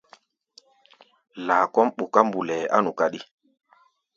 Laa kɔ́ʼm ɓuká mbulɛɛ á nu káɗí.